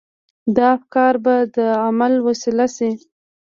دا افکار به د عمل وسيله شي.